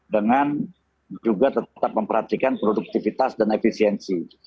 dengan juga tetap memperhatikan produktivitas dan efisiensi